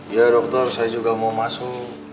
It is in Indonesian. ya dokter saya juga mau masuk